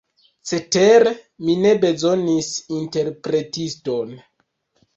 Cetere, mi ne bezonis interpretiston.